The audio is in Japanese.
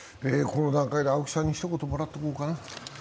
この段階で青木さんにひと言もらっておこうかな。